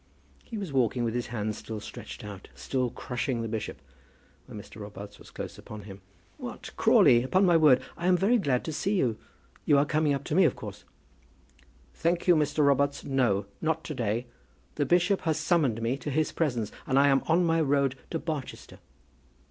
He was walking with his hand still stretched out, still crushing the bishop, when Mr. Robarts was close upon him. "What, Crawley! upon my word I am very glad to see you; you are coming up to me, of course?" "Thank you, Mr. Robarts; no, not to day. The bishop has summoned me to his presence, and I am on my road to Barchester."